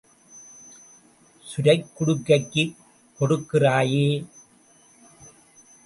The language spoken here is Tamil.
சுரைக் குடுக்கைக்குக் கொடுக்கிறாயோ?